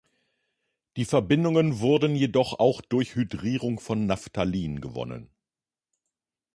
Die Verbindungen wurden jedoch auch durch Hydrierung von Naphthalin gewonnen.